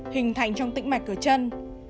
hình thành trong tĩnh mạch ở chân